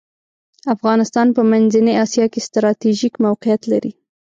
افغانستان په منځنۍ اسیا کې ستراتیژیک موقیعت لری .